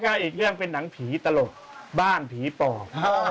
ก็อีกเรื่องเป็นหนังผีตลกบ้านผีปอบ